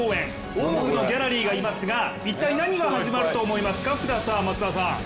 多くのギャラリーがいますが一体何が始まると思いますか？